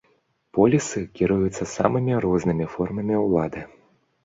Полісы кіруюцца самымі рознымі формамі ўлады.